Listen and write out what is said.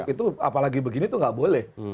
itu apalagi begini itu nggak boleh